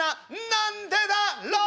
「なんでだろう」！